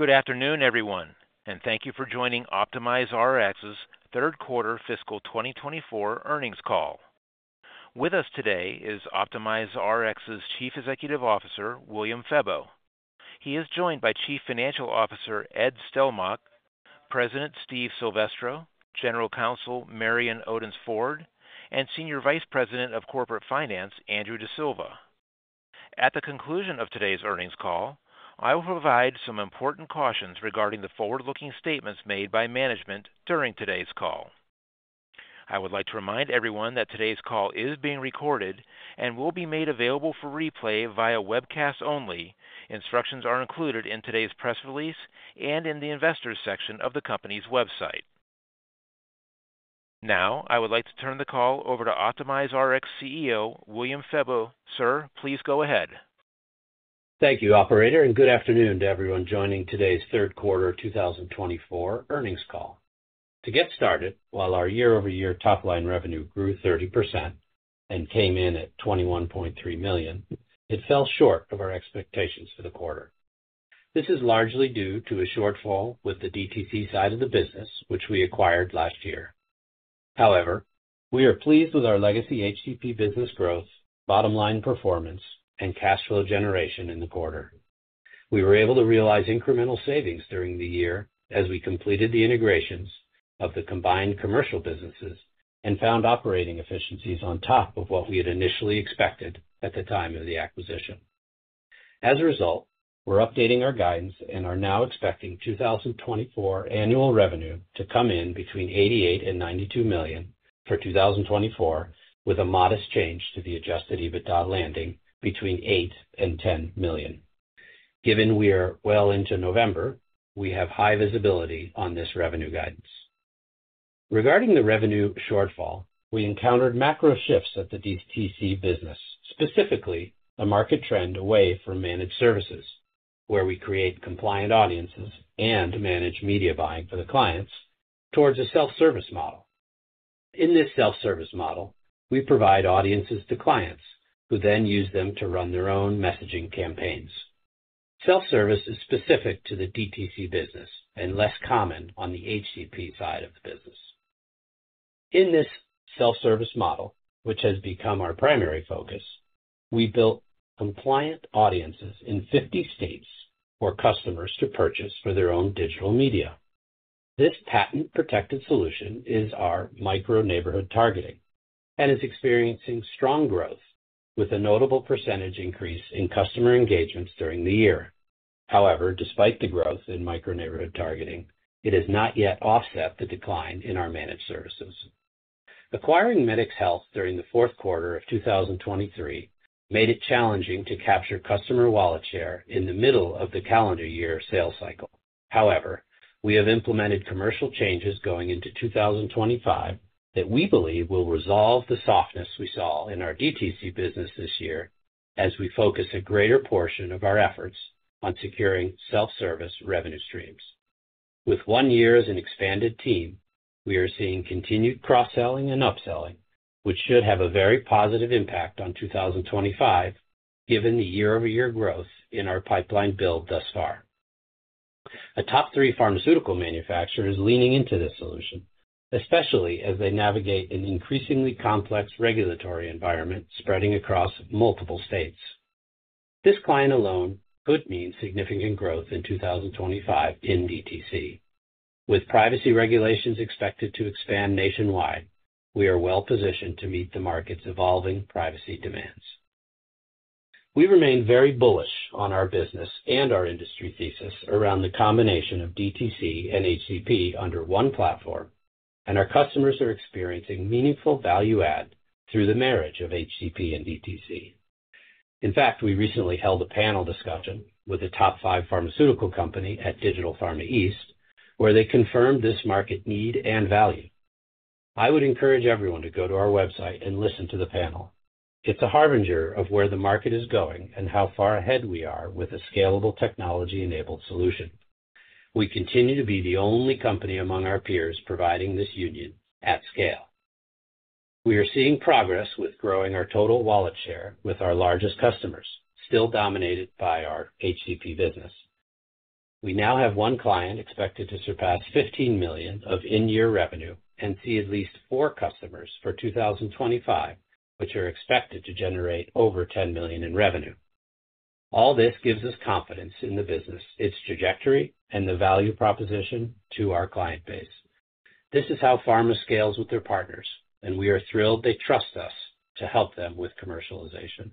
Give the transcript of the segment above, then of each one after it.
Good afternoon, everyone, and thank you for joining OptimizeRx's third quarter fiscal 2024 earnings call. With us today is OptimizeRx's Chief Executive Officer, William Febbo. He is joined by Chief Financial Officer, Ed Stelmakh, President, Steve Silvestro, General Counsel, Marion Odence-Ford, and Senior Vice President of Corporate Finance, Andrew D'Silva. At the conclusion of today's earnings call, I will provide some important cautions regarding the forward-looking statements made by management during today's call. I would like to remind everyone that today's call is being recorded and will be made available for replay via webcast only. Instructions are included in today's press release and in the investors' section of the company's website. Now, I would like to turn the call over to OptimizeRx CEO, William Febbo. Sir, please go ahead. Thank you, Operator, and good afternoon to everyone joining today's third quarter 2024 earnings call. To get started, while our year-over-year top-line revenue grew 30% and came in at $21.3 million, it fell short of our expectations for the quarter. This is largely due to a shortfall with the DTC side of the business, which we acquired last year. However, we are pleased with our legacy HCP business growth, bottom-line performance, and cash flow generation in the quarter. We were able to realize incremental savings during the year as we completed the integrations of the combined commercial businesses and found operating efficiencies on top of what we had initially expected at the time of the acquisition. As a result, we're updating our guidance and are now expecting 2024 annual revenue to come in between $88 million-$92 million for 2024, with a modest change to the Adjusted EBITDA landing between $8 million-$10 million. Given we are well into November, we have high visibility on this revenue guidance. Regarding the revenue shortfall, we encountered macro shifts at the DTC business, specifically a market trend away from managed services, where we create compliant audiences and manage media buying for the clients, towards a self-service model. In this self-service model, we provide audiences to clients, who then use them to run their own messaging campaigns. Self-service is specific to the DTC business and less common on the HCP side of the business. In this self-service model, which has become our primary focus, we built compliant audiences in 50 states for customers to purchase for their own digital media. This patent-protected solution is our Micro-Neighborhood targeting and is experiencing strong growth, with a notable percentage increase in customer engagements during the year. However, despite the growth in Micro-Neighborhood targeting, it has not yet offset the decline in our managed services. Acquiring Medicx Health during the fourth quarter of 2023 made it challenging to capture customer wallet share in the middle of the calendar year sales cycle. However, we have implemented commercial changes going into 2025 that we believe will resolve the softness we saw in our DTC business this year as we focus a greater portion of our efforts on securing self-service revenue streams. With one year as an expanded team, we are seeing continued cross-selling and upselling, which should have a very positive impact on 2025 given the year-over-year growth in our pipeline build thus far. A top three pharmaceutical manufacturer is leaning into this solution, especially as they navigate an increasingly complex regulatory environment spreading across multiple states. This client alone could mean significant growth in 2025 in DTC. With privacy regulations expected to expand nationwide, we are well-positioned to meet the market's evolving privacy demands. We remain very bullish on our business and our industry thesis around the combination of DTC and HCP under one platform, and our customers are experiencing meaningful value-add through the marriage of HCP and DTC. In fact, we recently held a panel discussion with the top five pharmaceutical company at Digital Pharma East, where they confirmed this market need and value. I would encourage everyone to go to our website and listen to the panel. It's a harbinger of where the market is going and how far ahead we are with a scalable technology-enabled solution. We continue to be the only company among our peers providing this union at scale. We are seeing progress with growing our total wallet share with our largest customers, still dominated by our HCP business. We now have one client expected to surpass $15 million of in-year revenue and see at least four customers for 2025, which are expected to generate over $10 million in revenue. All this gives us confidence in the business, its trajectory, and the value proposition to our client base. This is how pharma scales with their partners, and we are thrilled they trust us to help them with commercialization.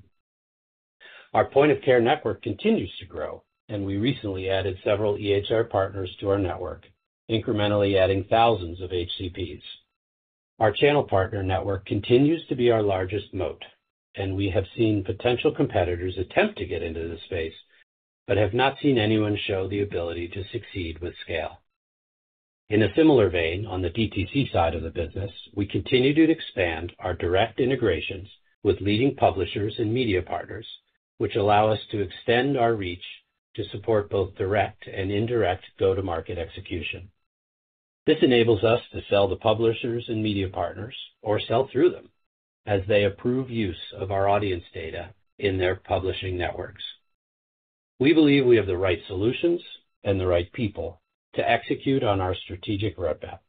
Our point-of-care network continues to grow, and we recently added several EHR partners to our network, incrementally adding thousands of HCPs. Our channel partner network continues to be our largest moat, and we have seen potential competitors attempt to get into this space but have not seen anyone show the ability to succeed with scale. In a similar vein, on the DTC side of the business, we continue to expand our direct integrations with leading publishers and media partners, which allow us to extend our reach to support both direct and indirect go-to-market execution. This enables us to sell to publishers and media partners or sell through them as they approve use of our audience data in their publishing networks. We believe we have the right solutions and the right people to execute on our strategic roadmap.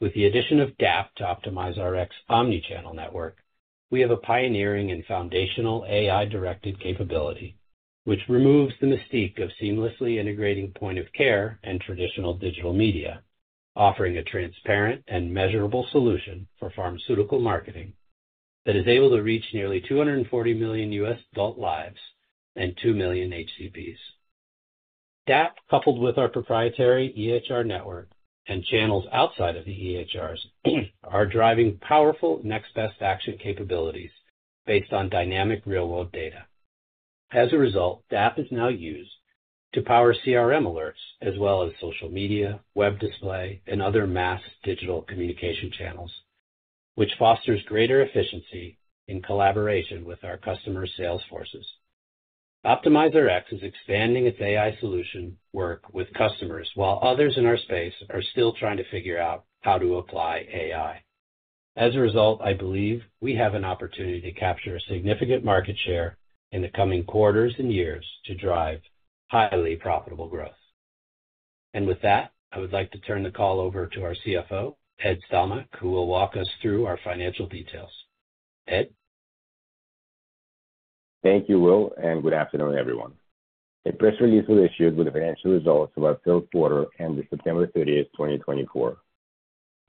With the addition of DAP to OptimizeRx's omnichannel network, we have a pioneering and foundational AI-directed capability, which removes the mystique of seamlessly integrating point-of-care and traditional digital media, offering a transparent and measurable solution for pharmaceutical marketing that is able to reach nearly 240 million U.S. adult lives and 2 million HCPs. DAP, coupled with our proprietary EHR network and channels outside of the EHRs, are driving powerful next best action capabilities based on dynamic real-world data. As a result, DAP is now used to power CRM alerts as well as social media, web display, and other mass digital communication channels, which fosters greater efficiency in collaboration with our customer sales forces. OptimizeRx is expanding its AI solution work with customers while others in our space are still trying to figure out how to apply AI. As a result, I believe we have an opportunity to capture a significant market share in the coming quarters and years to drive highly profitable growth. And with that, I would like to turn the call over to our CFO, Ed Stelmakh, who will walk us through our financial details. Ed. Thank you, Will, and good afternoon, everyone. A press release was issued with the financial results of our third quarter ended September 30th, 2024.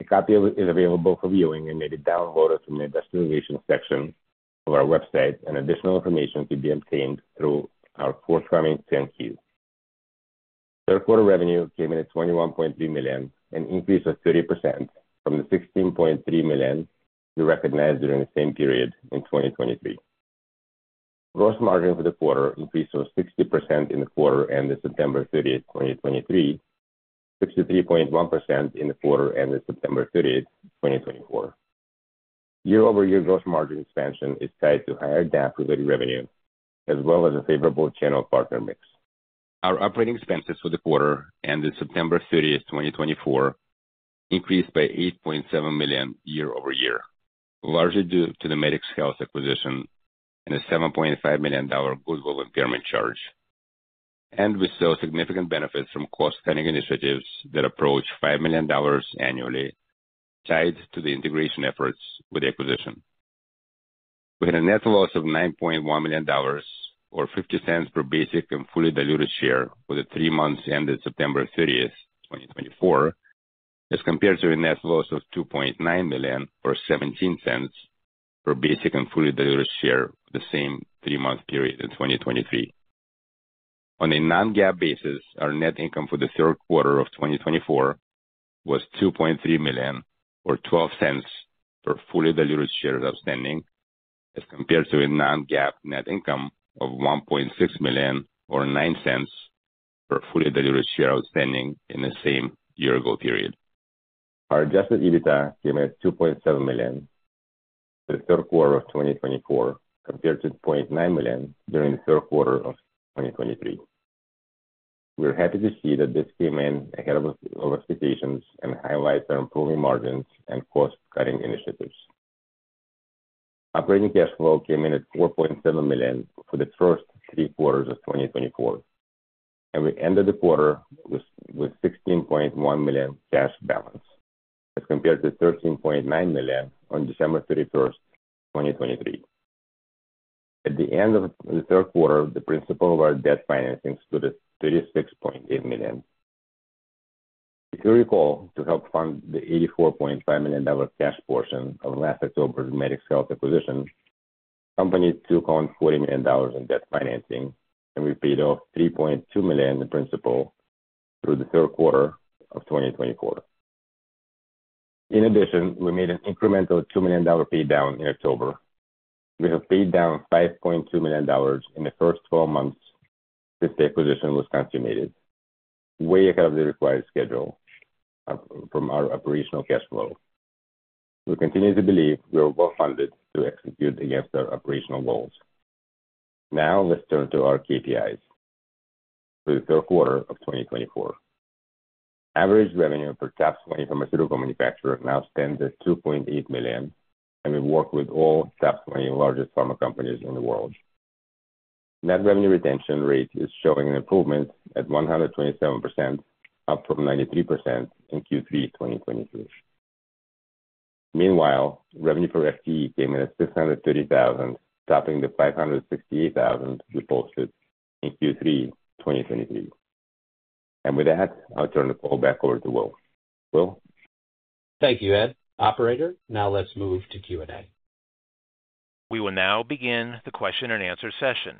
A copy is available for viewing and may be downloaded from the investor relations section of our website, and additional information could be obtained through our forthcoming 10-Q. Third quarter revenue came in at $21.3 million, an increase of 30% from the $16.3 million we recognized during the same period in 2023. Gross margin for the quarter increased from 60% in the quarter ended September 30th, 2023, to 63.1% in the quarter ended September 30th, 2024. Year-over-year gross margin expansion is tied to higher DAP-related revenue, as well as a favorable channel partner mix. Our operating expenses for the quarter ended September 30th, 2024, increased by $8.7 million year-over-year, largely due to the Medicx Health acquisition and a $7.5 million goodwill impairment charge. We saw significant benefits from cost-cutting initiatives that approach $5 million annually, tied to the integration efforts with the acquisition. We had a net loss of $9.1 million, or $0.50 per basic and fully diluted share, for the three months ended September 30, 2024, as compared to a net loss of $2.9 million, or $0.17 per basic and fully diluted share for the same three-month period in 2023. On a non-GAAP basis, our net income for the third quarter of 2024 was $2.3 million, or $0.12 per fully diluted shares outstanding, as compared to a non-GAAP net income of $1.6 million, or $0.09 per fully diluted share outstanding in the same year-ago period. Our Adjusted EBITDA came in at $2.7 million for the third quarter of 2024, compared to $0.9 million during the third quarter of 2023. We are happy to see that this came in ahead of expectations and highlights our improving margins and cost-cutting initiatives. Operating cash flow came in at $4.7 million for the first three quarters of 2024, and we ended the quarter with $16.1 million cash balance, as compared to $13.9 million on December 31st, 2023. At the end of the third quarter, the principal of our debt financing was $36.8 million. If you recall, to help fund the $84.5 million cash portion of last October's Medicx Health acquisition, the company took on $40 million in debt financing, and we paid off $3.2 million in principal through the third quarter of 2024. In addition, we made an incremental $2 million paydown in October. We have paid down $5.2 million in the first 12 months since the acquisition was consummated, way ahead of the required schedule from our operational cash flow. We continue to believe we are well-funded to execute against our operational goals. Now, let's turn to our KPIs for the third quarter of 2024. Average revenue per customer pharmaceutical manufacturer now stands at $2.8 million, and we work with all top 20 largest pharma companies in the world. Net revenue retention rate is showing an improvement at 127%, up from 93% in Q3 2023. Meanwhile, revenue per FTE came in at $630,000, topping the $568,000 we posted in Q3 2023. With that, I'll turn the call back over to Will. Will? Thank you, Ed. Operator, now let's move to Q&A. We will now begin the question-and-answer session.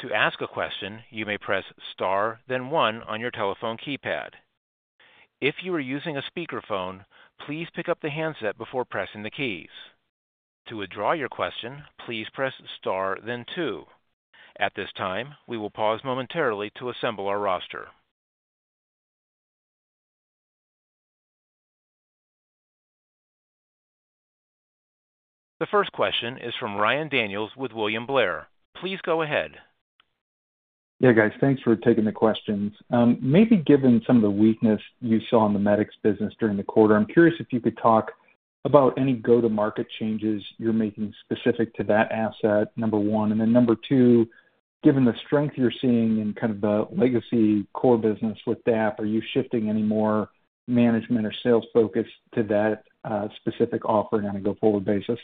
To ask a question, you may press star, then one on your telephone keypad. If you are using a speakerphone, please pick up the handset before pressing the keys. To withdraw your question, please press star, then two. At this time, we will pause momentarily to assemble our roster. The first question is from Ryan Daniels with William Blair. Please go ahead. Yeah, guys, thanks for taking the questions. Maybe given some of the weakness you saw in the Medicx business during the quarter, I'm curious if you could talk about any go-to-market changes you're making specific to that asset, number one, and then number two, given the strength you're seeing in kind of the legacy core business with DAP, are you shifting any more management or sales focus to that specific offering on a go-forward basis?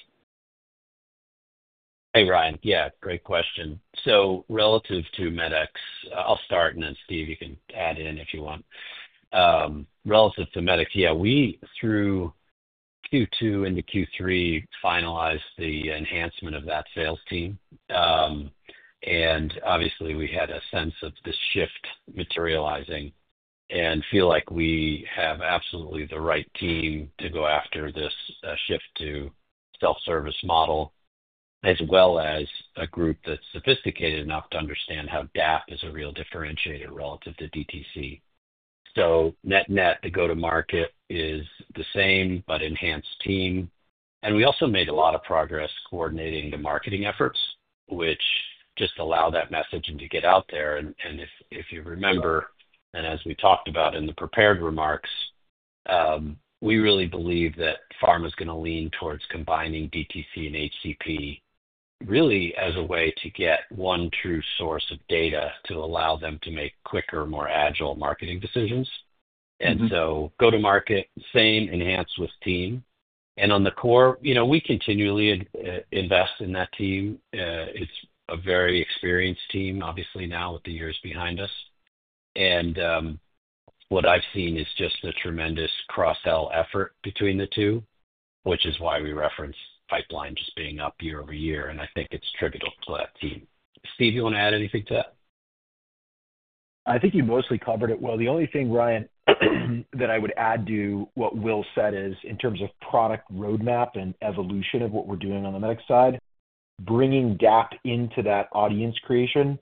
Hey, Ryan. Yeah, great question. So relative to Medicx, I'll start and then Steve, you can add in if you want. Relative to Medicx, yeah, we through Q2 into Q3 finalized the enhancement of that sales team. And obviously, we had a sense of the shift materializing and feel like we have absolutely the right team to go after this shift to self-service model, as well as a group that's sophisticated enough to understand how DAP is a real differentiator relative to DTC. So, net-net, the go-to-market is the same but enhanced team. And we also made a lot of progress coordinating the marketing efforts, which just allow that message to get out there. If you remember, and as we talked about in the prepared remarks, we really believe that Pharma's going to lean towards combining DTC and HCP really as a way to get one true source of data to allow them to make quicker, more agile marketing decisions. And so go-to-market, same enhanced with team. And on the core, we continually invest in that team. It's a very experienced team, obviously now with the years behind us. And what I've seen is just a tremendous cross-sell effort between the two, which is why we reference pipeline just being up year over year. And I think it's tribute to that team. Steve, you want to add anything to that? I think you mostly covered it well. The only thing, Ryan, that I would add to what Will said is in terms of product roadmap and evolution of what we're doing on the Medicx side, bringing DAP into that audience creation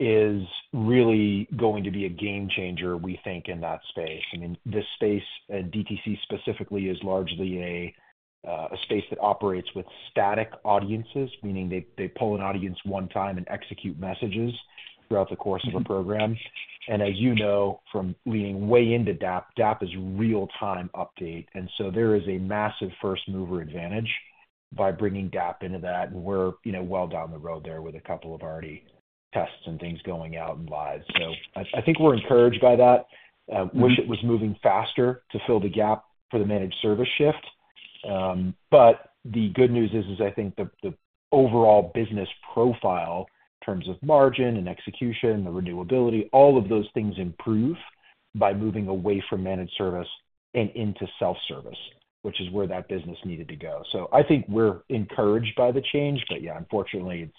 is really going to be a game changer, we think, in that space. I mean, this space, DTC specifically, is largely a space that operates with static audiences, meaning they pull an audience one time and execute messages throughout the course of a program, and as you know from leaning way into DAP, DAP is real-time update, and so there is a massive first-mover advantage by bringing DAP into that, and we're well down the road there with a couple of already tests and things going out and live. So, I think we're encouraged by that. Wish it was moving faster to fill the gap for the managed service shift. But the good news is, I think the overall business profile in terms of margin and execution, the renewability, all of those things improve by moving away from managed service and into self-service, which is where that business needed to go. So I think we're encouraged by the change, but yeah, unfortunately,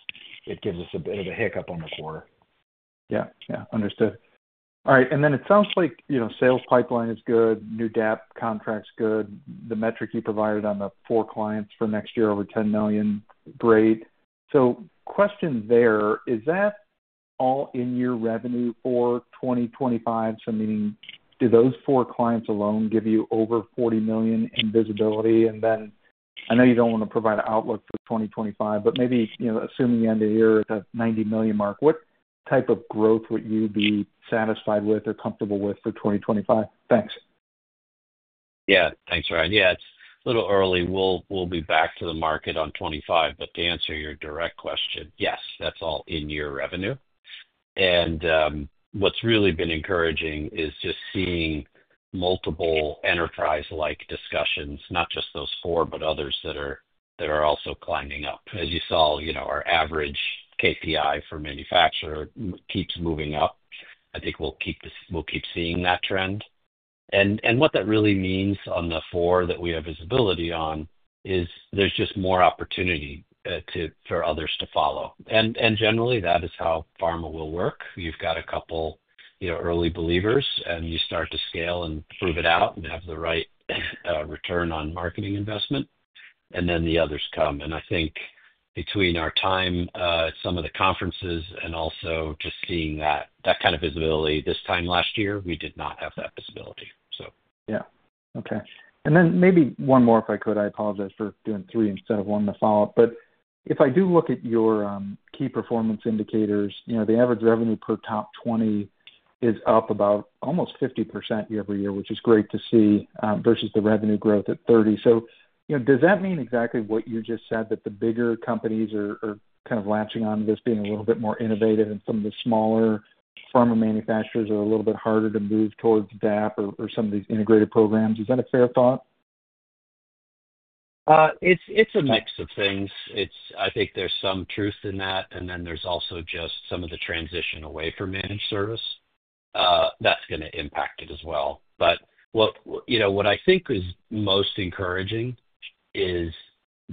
it gives us a bit of a hiccup on the quarter. Yeah, yeah. Understood. All right. And then it sounds like sales pipeline is good, new DAP contracts good. The metric you provided on the four clients for next year over $10 million, great. So question there, is that all in your revenue for 2025? So meaning, do those four clients alone give you over $40 million in visibility? And then I know you don't want to provide an outlook for 2025, but maybe assuming you end the year at the $90 million mark, what type of growth would you be satisfied with or comfortable with for 2025? Thanks. Yeah. Thanks, Ryan. Yeah, it's a little early. We'll be back to the market on 2025, but to answer your direct question, yes, that's all in your revenue, and what's really been encouraging is just seeing multiple enterprise-like discussions, not just those four, but others that are also climbing up. As you saw, our average KPI for manufacturer keeps moving up. I think we'll keep seeing that trend, and what that really means on the four that we have visibility on is there's just more opportunity for others to follow, and generally, that is how Pharma will work. You've got a couple early believers, and you start to scale and prove it out and have the right return on marketing investment, and then the others come. I think between our time, some of the conferences, and also just seeing that kind of visibility. This time last year, we did not have that visibility, so. Yeah. Okay. And then maybe one more if I could. I apologize for doing three instead of one to follow up. But if I do look at your key performance indicators, the average revenue per top 20 is up about almost 50% year-over-year, which is great to see, versus the revenue growth at 30%. So, does that mean exactly what you just said that the bigger companies are kind of latching on to this being a little bit more innovative, and some of the smaller pharma manufacturers are a little bit harder to move towards DAP or some of these integrated programs? Is that a fair thought? It's a mix of things. I think there's some truth in that. And then there's also just some of the transition away from managed service that's going to impact it as well. But what I think is most encouraging is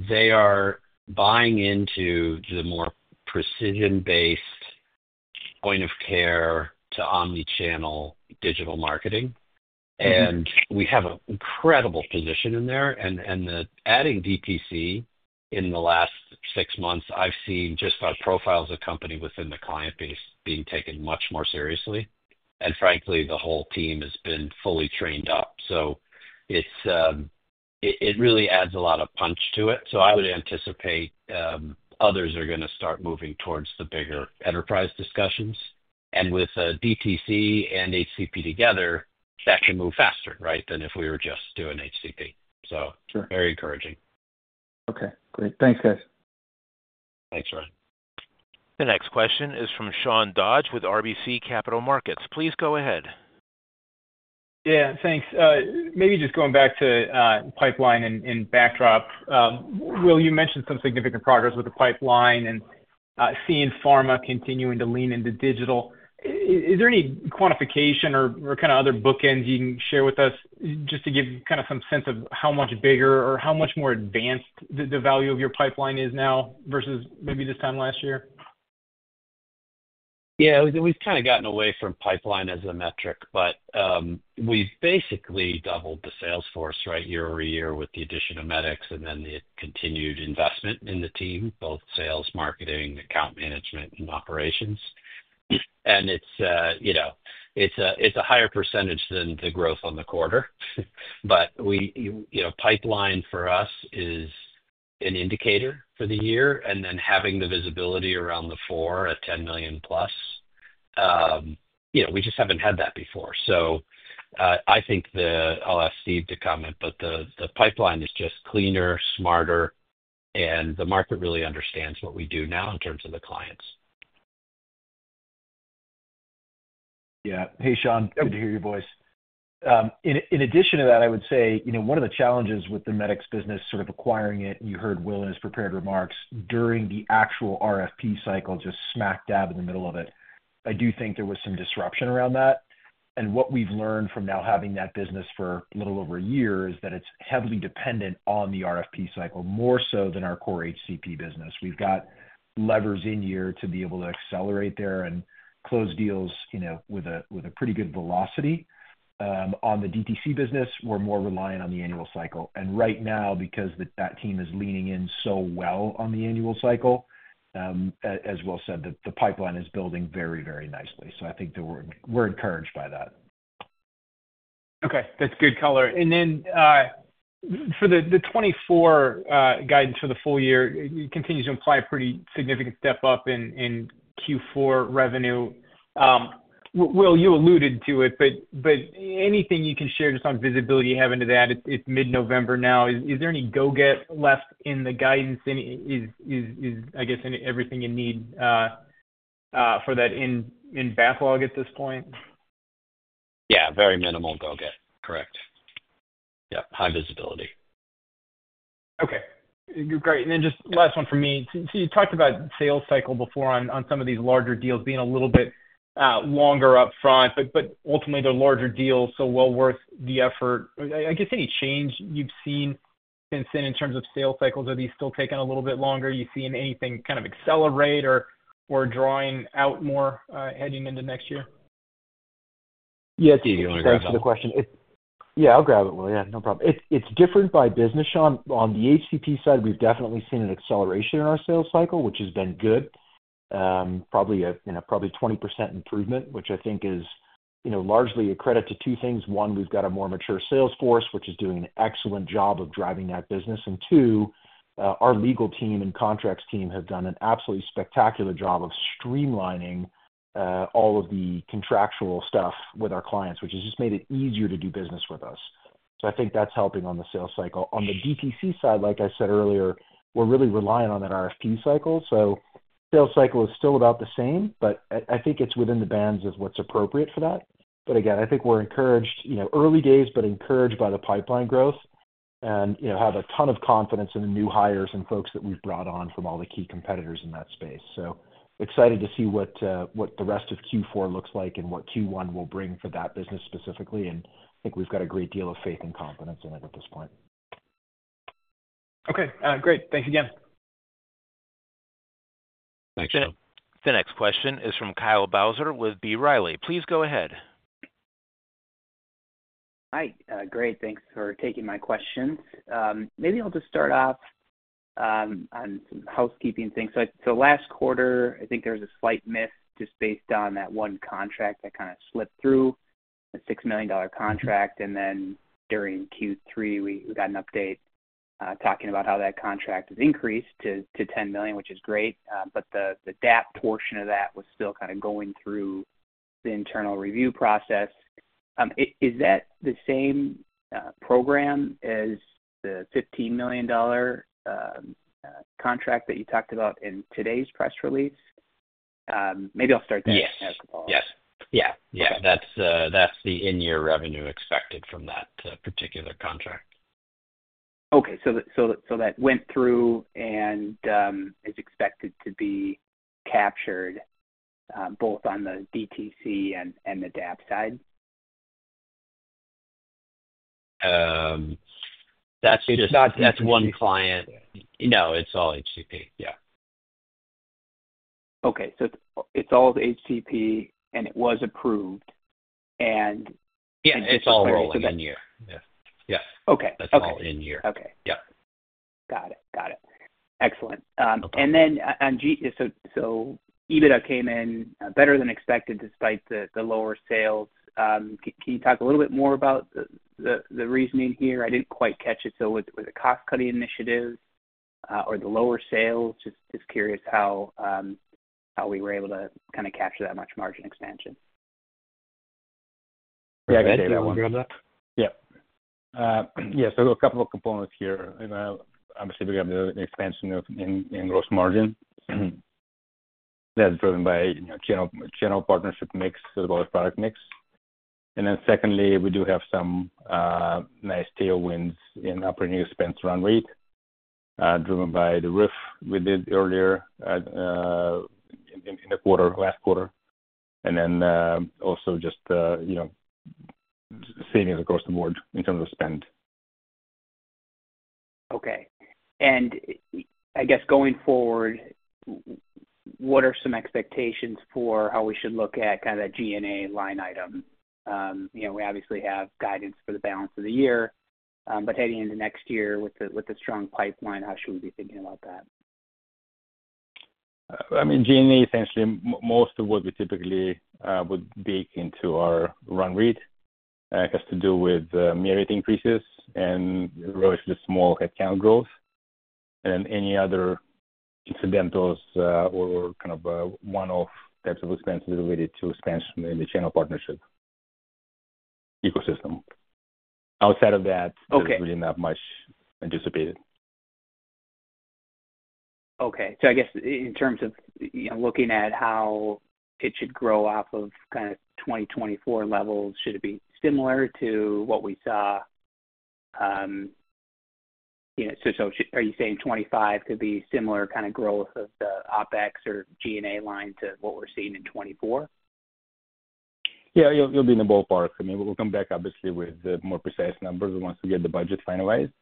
they are buying into the more precision-based point of care to omnichannel digital marketing. And we have an incredible position in there. And adding DTC in the last six months, I've seen just our profiles of company within the client base being taken much more seriously. And frankly, the whole team has been fully trained up. So it really adds a lot of punch to it. So I would anticipate others are going to start moving towards the bigger enterprise discussions. And with DTC and HCP together, that can move faster, right, than if we were just doing HCP. So very encouraging. Okay. Great. Thanks, guys. Thanks, Ryan. The next question is from Sean Dodge with RBC Capital Markets. Please go ahead. Yeah, thanks. Maybe just going back to pipeline and backdrop, Will, you mentioned some significant progress with the pipeline and seeing pharma continuing to lean into digital. Is there any quantification or kind of other bookends you can share with us just to give kind of some sense of how much bigger or how much more advanced the value of your pipeline is now versus maybe this time last year? Yeah. We've kind of gotten away from pipeline as a metric, but we've basically doubled the sales force, right, year over year with the addition of Medicx and then the continued investment in the team, both sales, marketing, account management, and operations. And it's a higher percentage than the growth on the quarter. But pipeline for us is an indicator for the year. And then having the visibility around the four at $10 million plus, we just haven't had that before. So, I think I'll ask Steve to comment, but the pipeline is just cleaner, smarter, and the market really understands what we do now in terms of the clients. Yeah. Hey, Sean. Good to hear your voice. In addition to that, I would say one of the challenges with the Medicx business sort of acquiring it, you heard Will's prepared remarks during the actual RFP cycle, just smack dab in the middle of it. I do think there was some disruption around that. What we've learned from now having that business for a little over a year is that it's heavily dependent on the RFP cycle, more so than our core HCP business. We've got levers in here to be able to accelerate there and close deals with a pretty good velocity. On the DTC business, we're more reliant on the annual cycle. Right now, because that team is leaning in so well on the annual cycle, as Will said, the pipeline is building very, very nicely. I think we're encouraged by that. Okay. That's good color. And then for the 2024 guidance for the full year, it continues to imply a pretty significant step up in Q4 revenue. Will, you alluded to it, but anything you can share just on visibility you have into that? It's mid-November now. Is there any go-get left in the guidance? I guess everything you need for that in backlog at this point? Yeah. Very minimal go-get. Correct. Yep. High visibility. Okay. Great. And then just last one for me. So you talked about sales cycle before on some of these larger deals being a little bit longer upfront, but ultimately, they're larger deals, so well worth the effort. I guess any change you've seen since then in terms of sales cycles? Are these still taking a little bit longer? Are you seeing anything kind of accelerate or drawing out more heading into next year? Yeah, Steve, you want to grab it? Thanks for the question. Yeah, I'll grab it, Will. Yeah, no problem. It's different by business, Sean. On the HCP side, we've definitely seen an acceleration in our sales cycle, which has been good, probably a 20% improvement, which I think is largely a credit to two things. One, we've got a more mature sales force, which is doing an excellent job of driving that business. And two, our legal team and contracts team have done an absolutely spectacular job of streamlining all of the contractual stuff with our clients, which has just made it easier to do business with us. So I think that's helping on the sales cycle. On the DTC side, like I said earlier, we're really reliant on that RFP cycle. So sales cycle is still about the same, but I think it's within the bands of what's appropriate for that. But again, I think we're encouraged, early days, but encouraged by the pipeline growth and have a ton of confidence in the new hires and folks that we've brought on from all the key competitors in that space. So excited to see what the rest of Q4 looks like and what Q1 will bring for that business specifically. And I think we've got a great deal of faith and confidence in it at this point. Okay. Great. Thanks again. Thanks. The next question is from Kyle Bauser with B. Riley. Please go ahead. Hi. Great. Thanks for taking my questions. Maybe I'll just start off on some housekeeping things. So last quarter, I think there was a slight miss just based on that one contract that kind of slipped through, a $6 million contract. And then during Q3, we got an update talking about how that contract has increased to $10 million, which is great. But the DAP portion of that was still kind of going through the internal review process. Is that the same program as the $15 million contract that you talked about in today's press release? Maybe I'll start there. Yes. Yes. Yeah. That's the in-year revenue expected from that particular contract. Okay. So that went through and is expected to be captured both on the DTC and the DAP side? That's one client. No, it's all HCP. Yeah. Okay. So it's all HCP, and it was approved, and it's all early. Yeah. It's all early. Yeah. Yeah. That's all in-year. Yep. Got it. Got it. Excellent. Then on Adjusted EBITDA came in better than expected despite the lower sales. Can you talk a little bit more about the reasoning here? I didn't quite catch it. With the cost-cutting initiatives or the lower sales, just curious how we were able to kind of capture that much margin expansion. Yeah. I can tell you that one. Yeah, so a couple of components here. Obviously, we have the expansion in gross margin. That's driven by channel partnership mix as well as product mix, and then secondly, we do have some nice tailwinds in operating expense run rate driven by the RIF we did earlier in the quarter, last quarter, and then also just savings across the board in terms of spend. Okay. And I guess going forward, what are some expectations for how we should look at kind of that G&A line item? We obviously have guidance for the balance of the year, but heading into next year with the strong pipeline, how should we be thinking about that? I mean, G&A, essentially, most of what we typically would bake into our run rate has to do with merit increases and relatively small headcount growth, and then any other incidentals or kind of one-off types of expenses related to expansion in the channel partnership ecosystem. Outside of that, there's really not much anticipated. Okay. So I guess in terms of looking at how it should grow off of kind of 2024 levels, should it be similar to what we saw? So are you saying 2025 could be similar kind of growth of the OpEx or G&A line to what we're seeing in 2024? Yeah. It'll be in the ballpark. I mean, we'll come back, obviously, with more precise numbers once we get the budget finalized.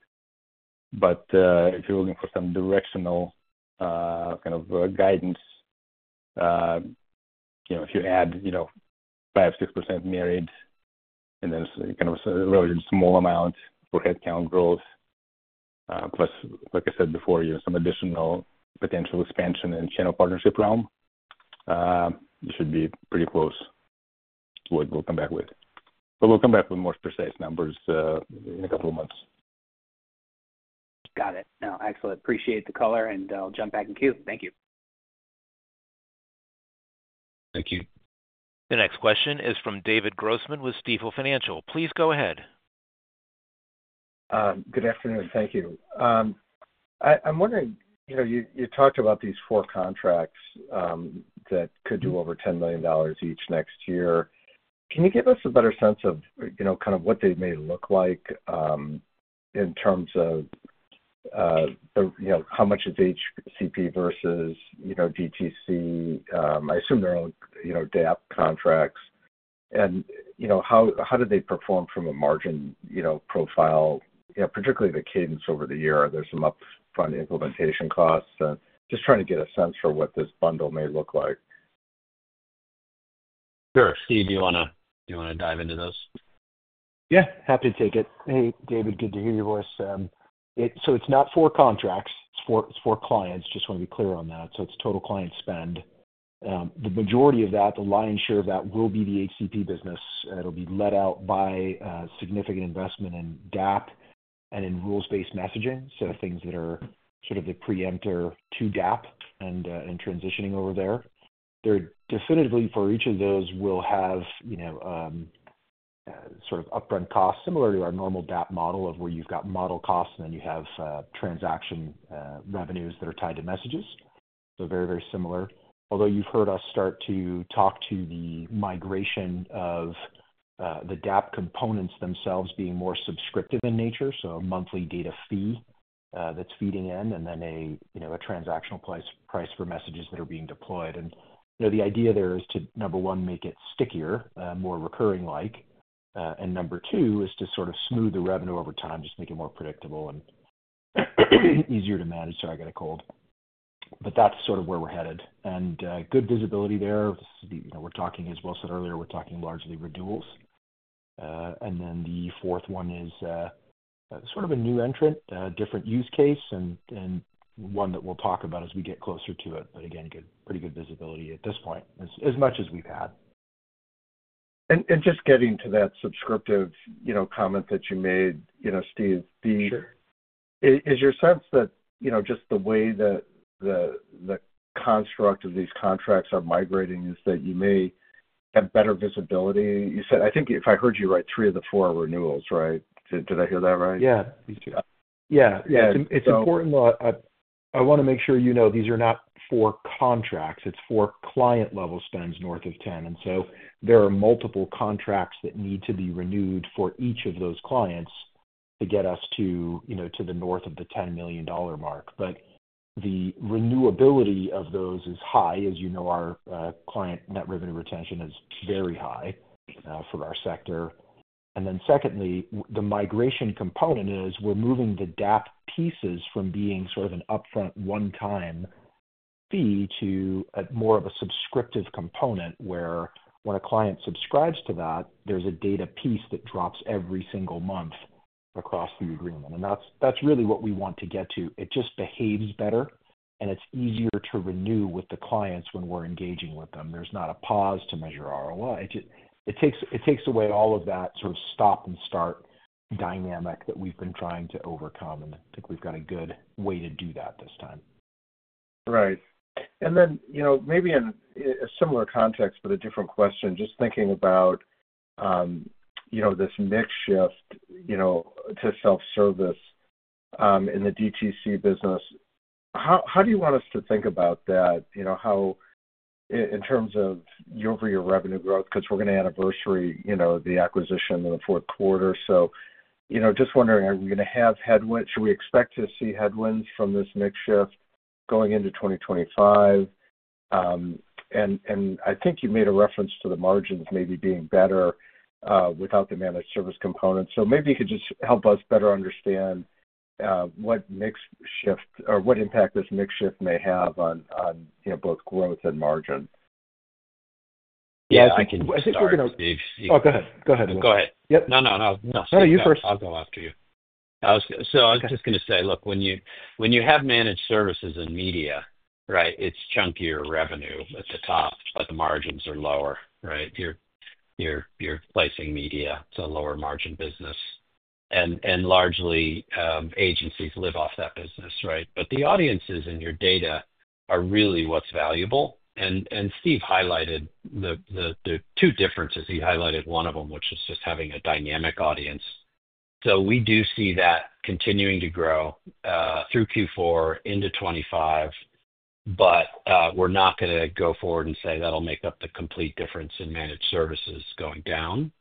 But if you're looking for some directional kind of guidance, if you add 5%-6% merit and then kind of a relatively small amount for headcount growth, plus, like I said before, some additional potential expansion in channel partnership realm, it should be pretty close to what we'll come back with. But we'll come back with more precise numbers in a couple of months. Got it. No, excellent. Appreciate the color, and I'll jump back in queue. Thank you. Thank you. The next question is from David Grossman with Stifel Financial. Please go ahead. Good afternoon. Thank you. I'm wondering, you talked about these four contracts that could do over $10 million each next year. Can you give us a better sense of kind of what they may look like in terms of how much is HCP versus DTC? I assume they're all DAP contracts. And how did they perform from a margin profile, particularly the cadence over the year? Are there some upfront implementation costs? Just trying to get a sense for what this bundle may look like. Sure. Steve, do you want to dive into those? Yeah. Happy to take it. Hey, David, good to hear your voice. So it's not four contracts. It's four clients. Just want to be clear on that. So it's total client spend. The majority of that, the lion's share of that, will be the HCP business. It'll be led out by significant investment in DAP and in rules-based messaging, so things that are sort of the precursor to DAP and transitioning over there. Definitely, for each of those, we'll have sort of upfront costs similar to our normal DAP model of where you've got model costs, and then you have transaction revenues that are tied to messages. So very, very similar. Although you've heard us start to talk to the migration of the DAP components themselves being more subscription in nature, so a monthly data fee that's feeding in, and then a transactional price for messages that are being deployed. The idea there is to, number one, make it stickier, more recurring-like. And number two is to sort of smooth the revenue over time, just make it more predictable and easier to manage. Sorry, I got a cold. But that's sort of where we're headed. And good visibility there. We're talking, as Will said earlier, largely renewals. And then the fourth one is sort of a new entrant, a different use case, and one that we'll talk about as we get closer to it. But again, pretty good visibility at this point, as much as we've had. And just getting to that subscription comment that you made, Steve, is your sense that just the way that the construct of these contracts are migrating is that you may have better visibility? I think if I heard you right, three of the four are renewals, right? Did I hear that right? Yeah. Yeah. It's important that I want to make sure you know these are not four contracts. It's four client-level spends north of 10. And so there are multiple contracts that need to be renewed for each of those clients to get us to the north of the $10 million mark. But the renewability of those is high. As you know, our client net revenue retention is very high for our sector. And then secondly, the migration component is we're moving the DAP pieces from being sort of an upfront one-time fee to more of a subscription component where when a client subscribes to that, there's a data piece that drops every single month across the agreement. And that's really what we want to get to. It just behaves better, and it's easier to renew with the clients when we're engaging with them. There's not a pause to measure ROI. It takes away all of that sort of stop-and-start dynamic that we've been trying to overcome, and I think we've got a good way to do that this time. Right. And then maybe in a similar context, but a different question, just thinking about this mix shift to self-service in the DTC business, how do you want us to think about that in terms of your revenue growth? Because we're going to anniversary the acquisition in the fourth quarter. So just wondering, are we going to have headwinds? Should we expect to see headwinds from this mix shift going into 2025? And I think you made a reference to the margins maybe being better without the managed service component. So maybe you could just help us better understand what mix shift or what impact this mix shift may have on both growth and margin. Yeah. I think we're going to. Oh, go ahead. Go ahead, Will. Go ahead. No, no, no. No, you first. I'll go after you. So I was just going to say, look, when you have managed services and media, right, it's chunkier revenue at the top, but the margins are lower, right? You're placing media. It's a lower-margin business. And largely, agencies live off that business, right? But the audiences and your data are really what's valuable. And Steve highlighted the two differences. He highlighted one of them, which is just having a dynamic audience. So we do see that continuing to grow through Q4 into 2025, but we're not going to go forward and say that'll make up the complete difference in managed services going down.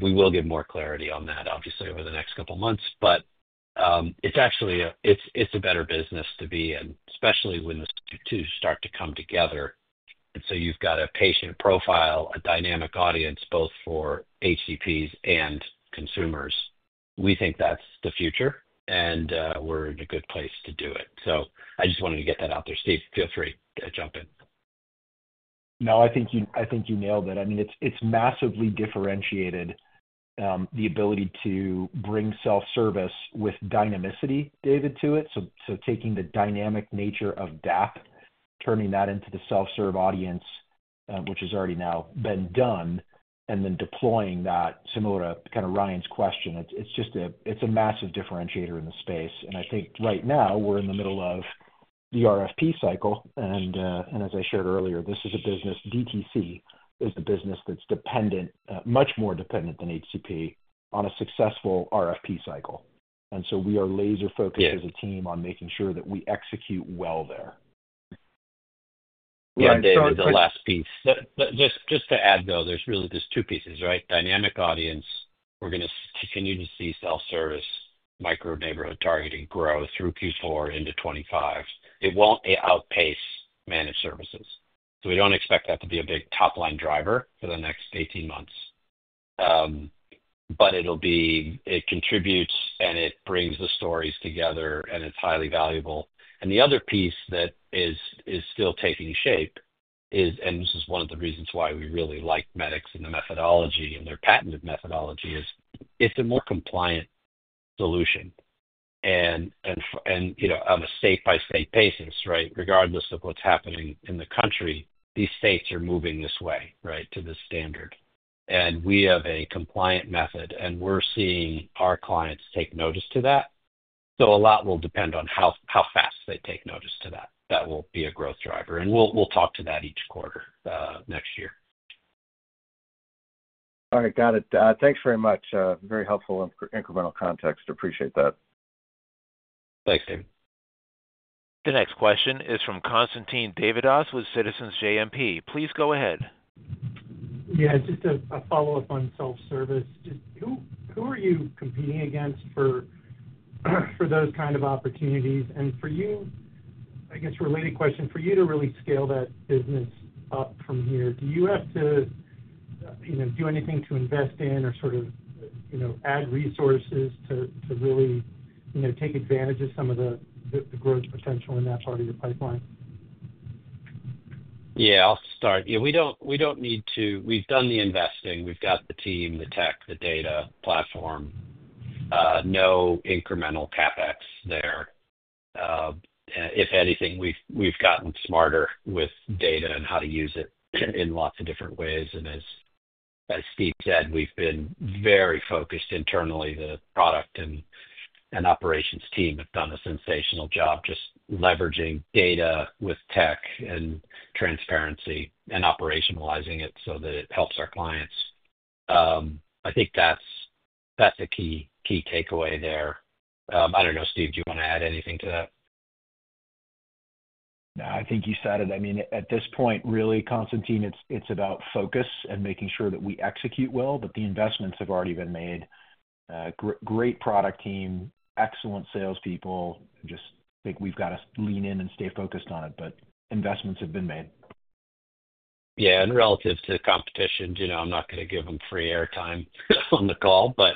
We will get more clarity on that, obviously, over the next couple of months. But it's a better business to be in, especially when the two start to come together. And so you've got a patient profile, a dynamic audience, both for HCPs and consumers. We think that's the future, and we're in a good place to do it. So I just wanted to get that out there. Steve, feel free to jump in. No, I think you nailed it. I mean, it's massively differentiated the ability to bring self-service with dynamicity, David, to it. So taking the dynamic nature of DAP, turning that into the self-serve audience, which has already now been done, and then deploying that similar to kind of Ryan's question. It's a massive differentiator in the space. I think right now, we're in the middle of the RFP cycle. And as I shared earlier, this is a business DTC is a business that's dependent, much more dependent than HCP on a successful RFP cycle. And so we are laser-focused as a team on making sure that we execute well there. Yeah. And David, the last piece. Just to add, though, there's really just two pieces, right? Dynamic audience, we're going to continue to see self-service, Micro-Neighborhood targeting grow through Q4 into 2025. It won't outpace managed services. So we don't expect that to be a big top-line driver for the next 18 months. But it contributes, and it brings the stories together, and it's highly valuable. And the other piece that is still taking shape is, and this is one of the reasons why we really like Medicx and the methodology and their patented methodology is it's a more compliant solution. And on a state-by-state basis, right, regardless of what's happening in the country, these states are moving this way, right, to this standard. And we have a compliant method, and we're seeing our clients take notice to that. So a lot will depend on how fast they take notice to that. That will be a growth driver. And we'll talk to that each quarter next year. All right. Got it. Thanks very much. Very helpful incremental context. Appreciate that. Thanks, David. The next question is from Constantine Davides with Citizens JMP. Please go ahead. Yeah. Just a follow-up on self-service. Who are you competing against for those kind of opportunities? And for you, I guess, related question, for you to really scale that business up from here, do you have to do anything to invest in or sort of add resources to really take advantage of some of the growth potential in that part of your pipeline? Yeah. I'll start. We don't need to. We've done the investing. We've got the team, the tech, the data platform. No incremental CapEx there. If anything, we've gotten smarter with data and how to use it in lots of different ways, and as Steve said, we've been very focused internally. The product and operations team have done a sensational job just leveraging data with tech and transparency and operationalizing it so that it helps our clients. I think that's a key takeaway there. I don't know, Steve, do you want to add anything to that? I think you said it. I mean, at this point, really, Constantine, it's about focus and making sure that we execute well, but the investments have already been made. Great product team, excellent salespeople. Just think we've got to lean in and stay focused on it, but investments have been made. Yeah. And relative to competition, I'm not going to give them free airtime on the call, but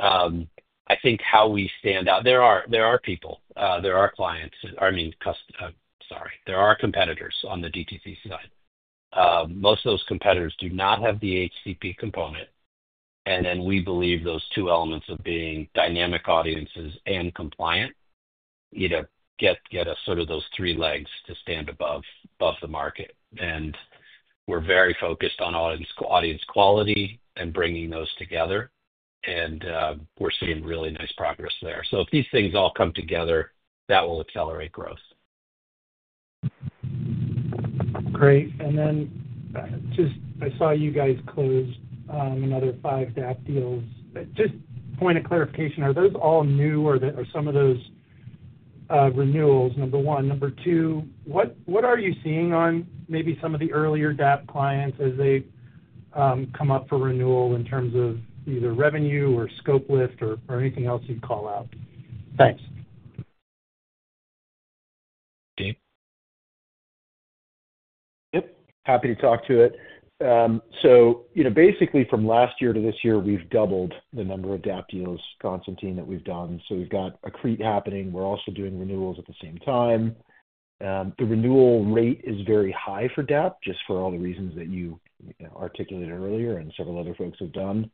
I think how we stand out, there are competitors on the DTC side. Most of those competitors do not have the HCP component. And then we believe those two elements of being dynamic audiences and compliant get us sort of those three legs to stand above the market. And we're very focused on audience quality and bringing those together. And we're seeing really nice progress there. So if these things all come together, that will accelerate growth. Great. And then I saw you guys close another five DAP deals. Just point of clarification, are those all new, or are some of those renewals, number one? Number two, what are you seeing on maybe some of the earlier DAP clients as they come up for renewal in terms of either revenue or scope lift or anything else you'd call out? Thanks. Steve. Yep. Happy to talk to it, so basically, from last year to this year, we've doubled the number of DAP deals, Constantine, that we've done, so we've got an accretive happening. We're also doing renewals at the same time. The renewal rate is very high for DAP, just for all the reasons that you articulated earlier and several other folks have done.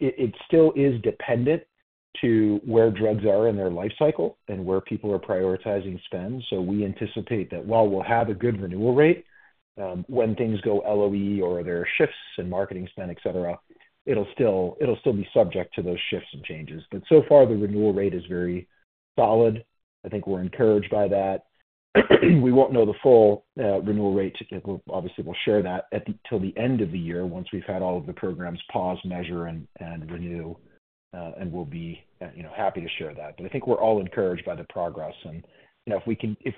It still is dependent to where drugs are in their life cycle and where people are prioritizing spend, so we anticipate that while we'll have a good renewal rate, when things go LOE or there are shifts in marketing spend, etc., it'll still be subject to those shifts and changes, but so far, the renewal rate is very solid. I think we're encouraged by that. We won't know the full renewal rate. Obviously, we'll share that until the end of the year once we've had all of the programs pause, measure, and renew. And we'll be happy to share that. But I think we're all encouraged by the progress. And if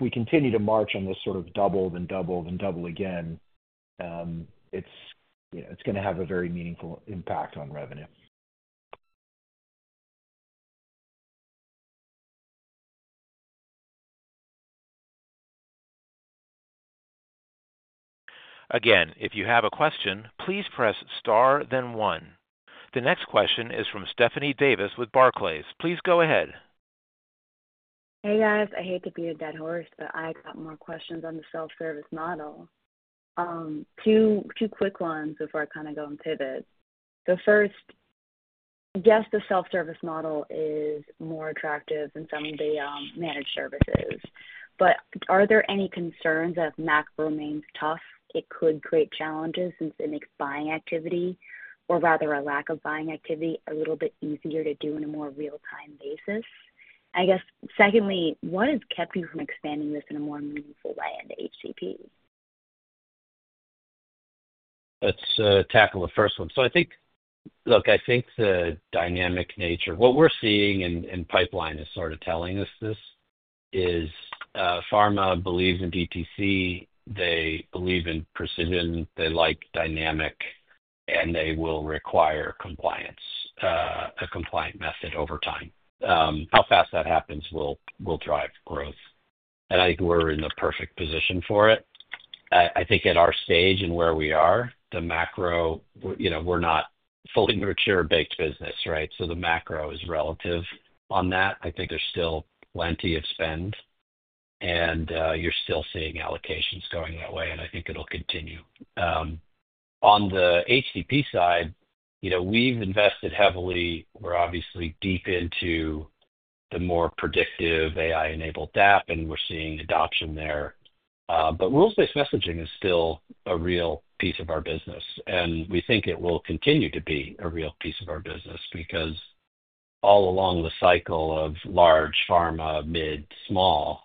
we continue to march on this sort of double, then double, then double again, it's going to have a very meaningful impact on revenue. Again, if you have a question, please press star, then one. The next question is from Stephanie Davis with Barclays. Please go ahead. Hey, guys. I hate to beat a dead horse, but I got more questions on the self-service model. Two quick ones before I kind of go and pivot. The first, yes, the self-service model is more attractive than some of the managed services. But are there any concerns that if macro remains tough, it could create challenges since it makes buying activity, or rather a lack of buying activity, a little bit easier to do on a more real-time basis? I guess, secondly, what has kept you from expanding this in a more meaningful way into HCP? Let's tackle the first one. So I think, look, I think the dynamic nature, what we're seeing in pipeline is sort of telling us this is pharma believes in DTC. They believe in precision. They like dynamic, and they will require a compliant method over time. How fast that happens will drive growth. And I think we're in the perfect position for it. I think at our stage and where we are, the macro, we're not fully mature baked business, right? So the macro is relative on that. I think there's still plenty of spend, and you're still seeing allocations going that way. And I think it'll continue. On the HCP side, we've invested heavily. We're obviously deep into the more predictive AI-enabled DAP, and we're seeing adoption there. But rules-based messaging is still a real piece of our business. And we think it will continue to be a real piece of our business because all along the cycle of large pharma, mid, small,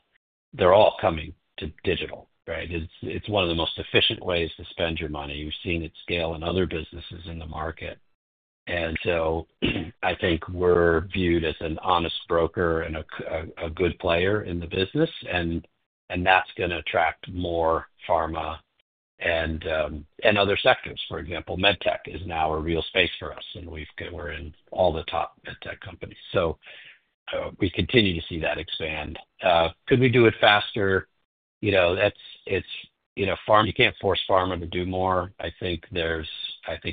they're all coming to digital, right? It's one of the most efficient ways to spend your money. We've seen it scale in other businesses in the market. And so I think we're viewed as an honest broker and a good player in the business. And that's going to attract more pharma and other sectors. For example, MedTech is now a real space for us, and we're in all the top MedTech companies. So we continue to see that expand. Could we do it faster? It's pharma. You can't force pharma to do more. I think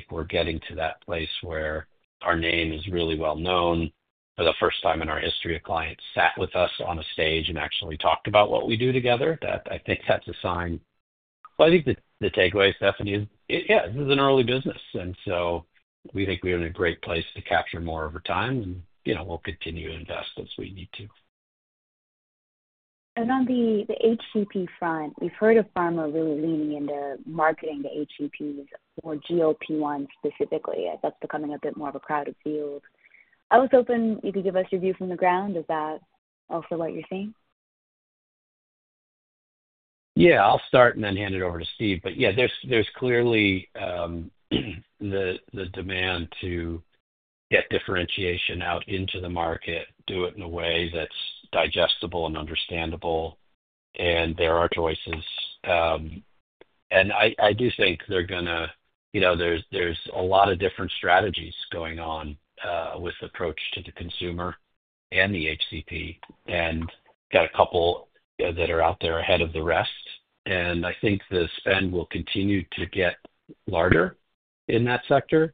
we're getting to that place where our name is really well known for the first time in our history. Clients sat with us on a stage and actually talked about what we do together. I think that's a sign. Well, I think the takeaway, Stephanie, is, yeah, this is an early business, and so we think we're in a great place to capture more over time, and we'll continue to invest as we need to. On the HCP front, we've heard of pharma really leaning into marketing the HCPs or GLP-1 specifically, as that's becoming a bit more of a crowded field. I was hoping you could give us your view from the ground. Is that also what you're seeing? Yeah. I'll start and then hand it over to Steve. But yeah, there's clearly the demand to get differentiation out into the market, do it in a way that's digestible and understandable. And there are choices. And I do think there's a lot of different strategies going on with the approach to the consumer and the HCP. And we've got a couple that are out there ahead of the rest. And I think the spend will continue to get larger in that sector.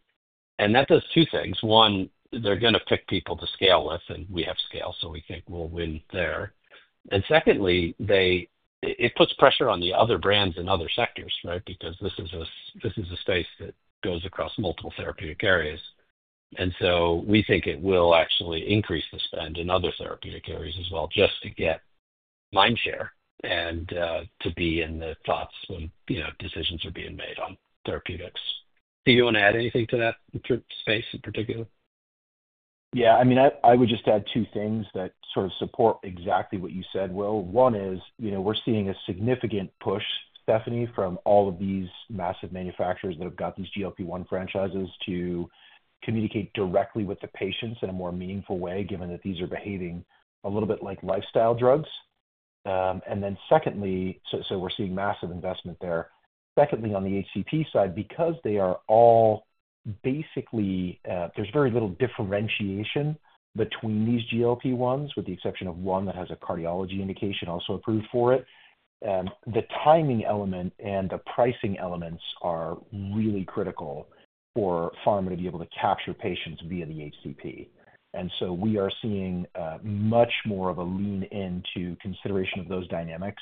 And that does two things. One, they're going to pick people to scale with, and we have scale, so we think we'll win there. And secondly, it puts pressure on the other brands in other sectors, right? Because this is a space that goes across multiple therapeutic areas. And so we think it will actually increase the spend in other therapeutic areas as well just to get mindshare and to be in the thoughts when decisions are being made on therapeutics. Steve, you want to add anything to that space in particular? Yeah. I mean, I would just add two things that sort of support exactly what you said, Will. One is we're seeing a significant push, Stephanie, from all of these massive manufacturers that have got these GLP-1 franchises to communicate directly with the patients in a more meaningful way, given that these are behaving a little bit like lifestyle drugs. And then secondly, so we're seeing massive investment there. Secondly, on the HCP side, because they are all basically there's very little differentiation between these GLP-1s, with the exception of one that has a cardiology indication also approved for it. The timing element and the pricing elements are really critical for pharma to be able to capture patients via the HCP. And so we are seeing much more of a lean-in to consideration of those dynamics,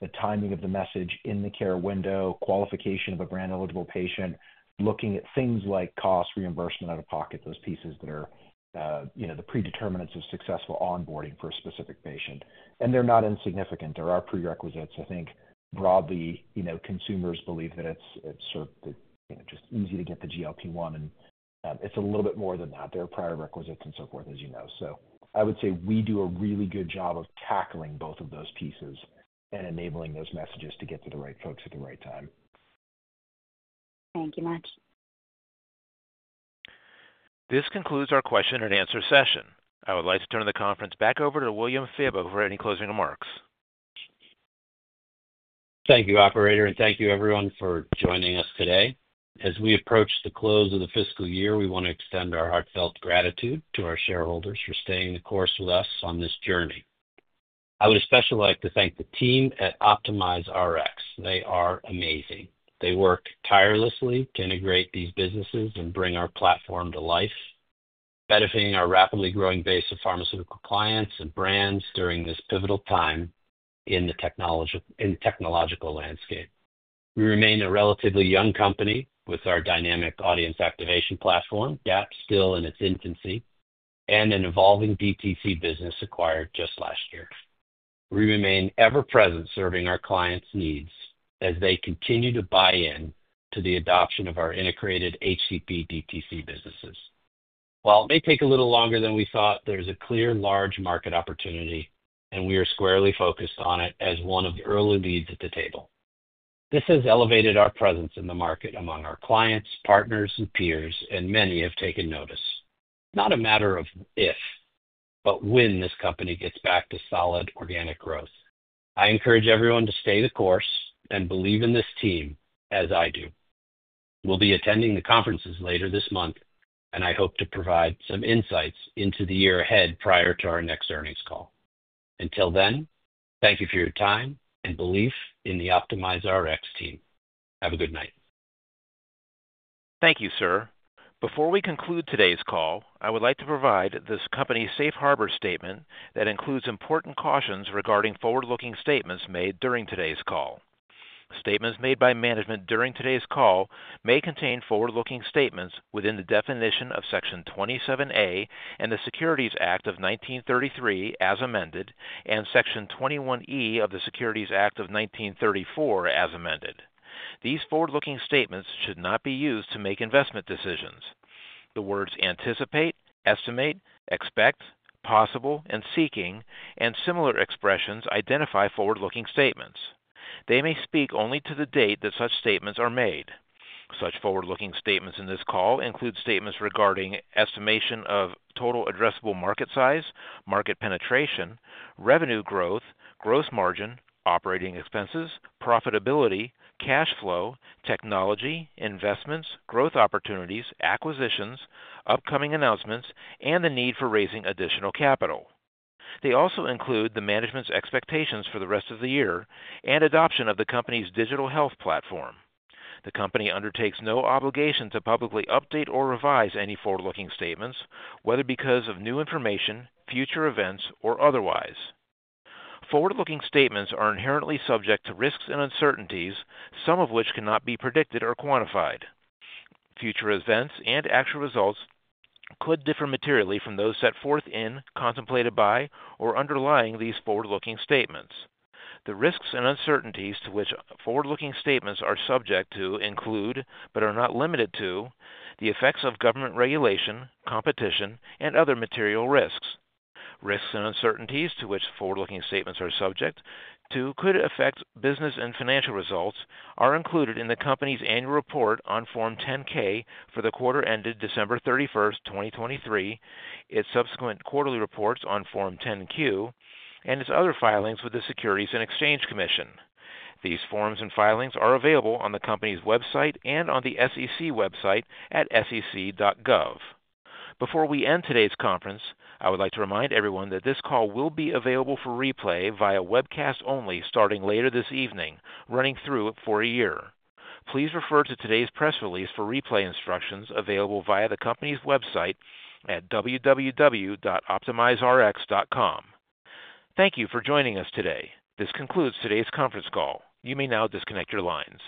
the timing of the message in the care window, qualification of a brand-eligible patient, looking at things like cost reimbursement out of pocket, those pieces that are the predeterminants of successful onboarding for a specific patient. And they're not insignificant. There are prerequisites. I think broadly, consumers believe that it's sort of just easy to get the GLP-1, and it's a little bit more than that. There are prior requisites and so forth, as you know. So I would say we do a really good job of tackling both of those pieces and enabling those messages to get to the right folks at the right time. Thank you much. This concludes our question and answer session. I would like to turn the conference back over to William Febbo for any closing remarks. Thank you, Operator, and thank you, everyone, for joining us today. As we approach the close of the fiscal year, we want to extend our heartfelt gratitude to our shareholders for staying the course with us on this journey. I would especially like to thank the team at OptimizeRx. They are amazing. They work tirelessly to integrate these businesses and bring our platform to life, benefiting our rapidly growing base of pharmaceutical clients and brands during this pivotal time in the technological landscape. We remain a relatively young company with our Dynamic Audience Activation Platform, DAP, still in its infancy, and an evolving DTC business acquired just last year. We remain ever-present serving our clients' needs as they continue to buy into the adoption of our integrated HCP DTC businesses. While it may take a little longer than we thought, there's a clear large market opportunity, and we are squarely focused on it as one of the early leads at the table. This has elevated our presence in the market among our clients, partners, and peers, and many have taken notice. It's not a matter of if, but when this company gets back to solid organic growth. I encourage everyone to stay the course and believe in this team as I do. We'll be attending the conferences later this month, and I hope to provide some insights into the year ahead prior to our next earnings call. Until then, thank you for your time and belief in the OptimizeRx team. Have a good night. Thank you, sir. Before we conclude today's call, I would like to provide this company's safe harbor statement that includes important cautions regarding forward-looking statements made during today's call. Statements made by management during today's call may contain forward-looking statements within the definition of Section 27A of the Securities Act of 1933, as amended, and Section 21E of the Securities Exchange Act of 1934, as amended. These forward-looking statements should not be used to make investment decisions. The words anticipate, estimate, expect, possible, and seeking, and similar expressions identify forward-looking statements. They may speak only to the date that such statements are made. Such forward-looking statements in this call include statements regarding estimation of total addressable market size, market penetration, revenue growth, gross margin, operating expenses, profitability, cash flow, technology, investments, growth opportunities, acquisitions, upcoming announcements, and the need for raising additional capital. They also include the management's expectations for the rest of the year and adoption of the company's digital health platform. The company undertakes no obligation to publicly update or revise any forward-looking statements, whether because of new information, future events, or otherwise. Forward-looking statements are inherently subject to risks and uncertainties, some of which cannot be predicted or quantified. Future events and actual results could differ materially from those set forth in, contemplated by, or underlying these forward-looking statements. The risks and uncertainties to which forward-looking statements are subject to include, but are not limited to, the effects of government regulation, competition, and other material risks. Risks and uncertainties to which forward-looking statements are subject to could affect business and financial results are included in the company's annual report on Form 10-K for the quarter ended December 31st, 2023, its subsequent quarterly reports on Form 10-Q, and its other filings with the Securities and Exchange Commission. These forms and filings are available on the company's website and on the SEC website at sec.gov. Before we end today's conference, I would like to remind everyone that this call will be available for replay via webcast only starting later this evening, running through for a year. Please refer to today's press release for replay instructions available via the company's website at www.optimizerx.com. Thank you for joining us today. This concludes today's conference call. You may now disconnect your lines.